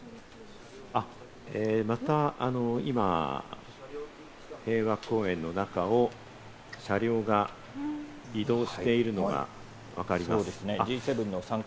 また今、平和公園の中を車両が移動しているのがわかりますね。